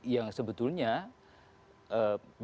yang sebetulnya bisa direhabkan